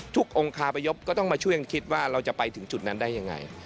ทุกองค์คาประยบก็ต้องมาช่วยคิดว่าเราจะไปถึงจุดนั้นได้อย่างไร